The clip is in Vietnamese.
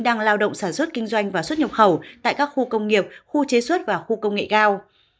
đang lao động sản xuất kinh doanh và xuất nhập khẩu tại các khu công nghiệp khu chế xuất và khu công nghệ cao